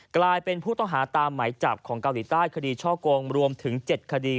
กลายเป็นผู้ต้องหาตามหมายจับของเกาหลีใต้คดีช่อกงรวมถึง๗คดี